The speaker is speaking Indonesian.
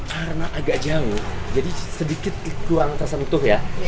karena agak jauh jadi sedikit kurang tersentuh ya